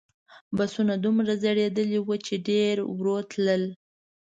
بسونه دومره زړیدلي وو چې ډېر ورو تلل.